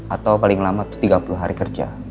atau paling lama itu tiga puluh hari kerja